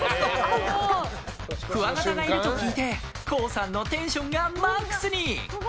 クワガタがいると聞いてＫＯＯさんのテンションがマックスに。